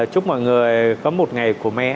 chúc mọi người có một ngày của mẹ